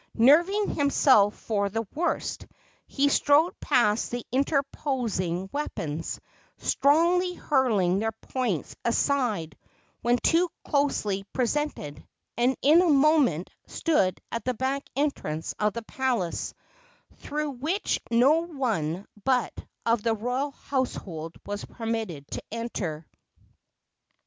Nerving himself for the worst, he strode past the interposing weapons, strongly hurling their points aside when too closely presented, and in a moment stood at the back entrance of the palace, through which no one but of the royal household was permitted to enter.